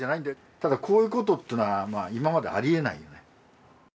ただこういうことってのは今までありえないよね。